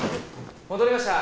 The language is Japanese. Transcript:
戻りました。